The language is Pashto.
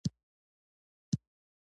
خوړل د ذوقي هنر ښکارندویي ده